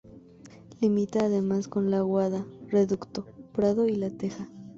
Limita además con La Aguada, Reducto, Prado y La Teja.